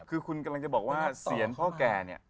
คือคุณกำลังจะบอกว่าเสียงพ่อแก่เนี่ย